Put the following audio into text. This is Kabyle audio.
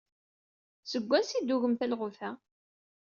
Seg wansi i d-tugem talɣut-a?